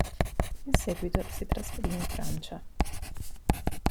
In seguito si trasferì in Francia.